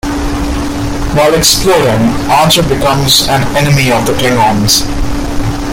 While exploring, Archer becomes an enemy of the Klingons.